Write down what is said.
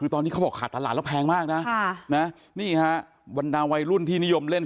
ทำหรับบอกต่างล้านแล้วแพงมากวรรดิวันดาวัยรุ่นที่นิยมเล่น